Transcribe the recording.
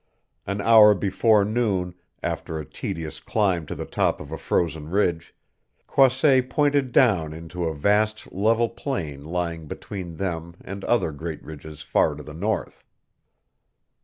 An hour before noon, after a tedious climb to the top of a frozen ridge, Croisset pointed down into a vast level plain lying between them and other great ridges far to the north.